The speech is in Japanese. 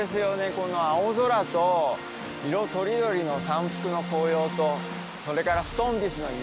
この青空と色とりどりの山腹の紅葉とそれから布団菱の岩。